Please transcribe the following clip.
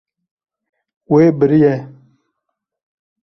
Wê biriye.